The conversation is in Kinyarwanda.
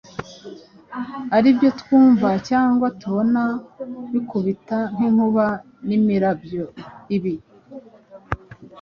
aribyo twumva cyangwa tubona bikubita nk’inkuba n’imirabyo. Ibi